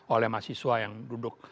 oleh mahasiswa yang duduk